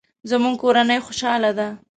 زموږ کورنۍ خوشحاله ده